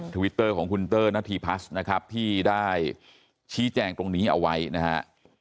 ทวิตเตอร์ของคุณเตอร์นาธีพัฒน์นะครับที่ได้ชี้แจงตรงนี้เอาไว้นะฮะ